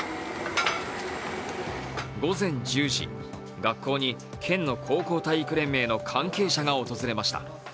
午前１０時、学校に県の高校体育連盟の関係者が訪れました。